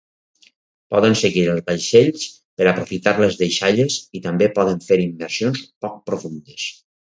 Poden seguir els vaixells per aprofitar les deixalles i també poden fer immersions poc profundes.